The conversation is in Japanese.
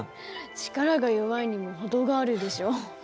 力が弱いにも程があるでしょ。